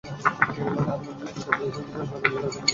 আগামী বৃহস্পতিবারের মধ্যে সিএনজি সরবরাহ চালু হবে বলে তিনি আশা করেন।